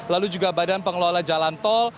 lalu juga badan pengelola jalan tol